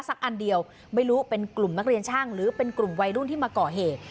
อันเดียวไม่รู้เป็นกลุ่มนักเรียนช่างหรือเป็นกลุ่มวัยรุ่นที่มาก่อเหตุ